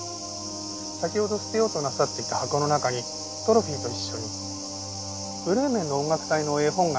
先ほど捨てようとなさっていた箱の中にトロフィーと一緒に『ブレーメンの音楽隊』の絵本が入っていましたね。